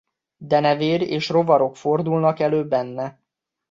Denevér és rovarok fordulnak elő benne.